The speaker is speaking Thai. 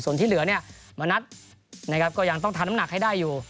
ส่วนที่เหลือเนี่ยมณัฐนะครับก็ยังต้องทำน้ำหนักให้ได้อยู่